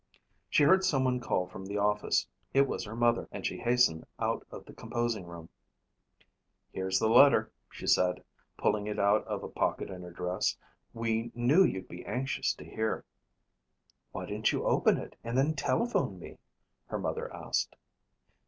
She heard someone call from the office. It was her mother and she hastened out of the composing room. "Here's the letter," she said, pulling it out of a pocket in her dress. "We knew you'd be anxious to hear." "Why didn't you open it and then telephone me?" her mother asked.